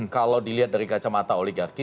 kalau dilihat dari kacamata oligarki